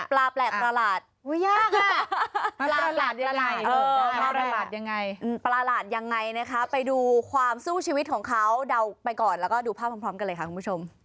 ปลาแปลกประหลาดโอ้ยยากอ่ะประหลาดยังไงเออประหลาดยังไง